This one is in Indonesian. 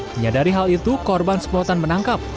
menyadari hal itu korban sepotan menangkap